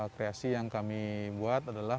kreasi yang kami buat adalah